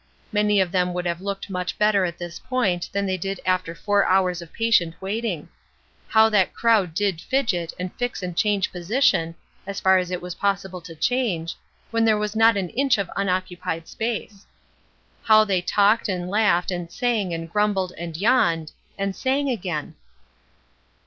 Many of them would have looked much better at this point than they did after four hours of patient waiting. How that crowd did fidget and fix and change position, as far as it was possible to change, when there was not an inch of unoccupied space. How they talked and laughed and sang and grumbled and yawned, and sang again!